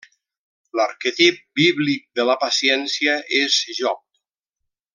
L'arquetip bíblic de la paciència és Job.